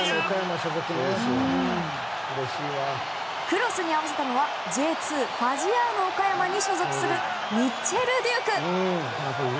クロスに合わせたのはＪ２、ファジアーノ岡山に所属するミッチェル・デューク。